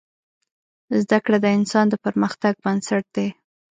زده کړه د انسان د پرمختګ بنسټ دی.